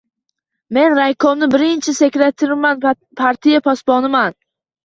Men raykomni birinchi sekretariman, partiya posboniman.